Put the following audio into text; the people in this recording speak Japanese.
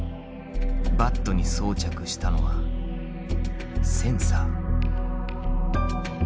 バットに装着したのはセンサー。